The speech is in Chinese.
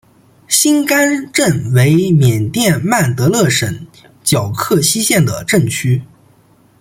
辛甘镇为缅甸曼德勒省皎克西县的镇区。